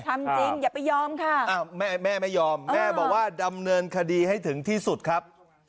ทำจริงอย่าไปยอมค่ะแม่ไม่ยอมแม่บอกว่าดำเนินคดีให้ถึงที่สุดครับ